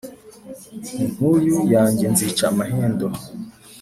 n'inkuyu yanjye nzica amahendo.